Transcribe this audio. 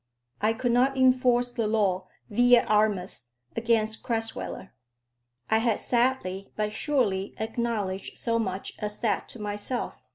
I could not enforce the law vi et armis against Crasweller. I had sadly but surely acknowledged so much as that to myself.